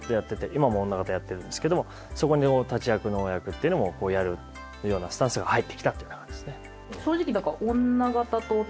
今も女方やってるんですけどもそこの立役のお役っていうのもやるようなスタンスが入ってきたと。